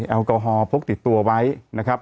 แอลกอฮอล์พกติดตัวไว้นะครับ